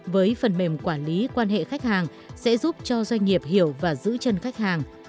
với phần mềm quản lý quan hệ khách hàng sẽ giúp cho doanh nghiệp hiểu và giữ chân khách hàng